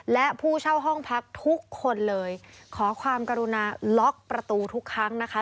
และผู้เช่าห้องพักทุกคนเลยขอความกรุณาล็อกประตูทุกครั้งนะคะ